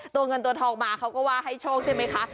ตัวเงินตัวทองมาเขาก็ว่าให้โชคใช่ไหมคะ